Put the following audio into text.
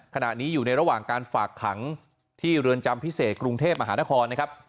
ขณะนี้อยู่ในระหว่างการฝากขังที่เรือนจำพิเศษกรุงเทพมหานครนะครับ